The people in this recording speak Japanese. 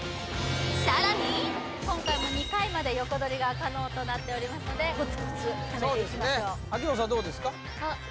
さらに今回も２回まで横取りが可能となっておりますのでコツコツためていきましょう